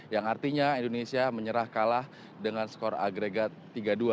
yang artinya indonesia menyerah kalah dengan skor agregat tiga dua